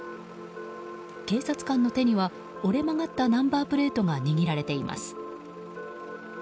警察官の手には折れ曲がったナンバープレートが握られています。